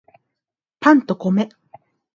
パンと米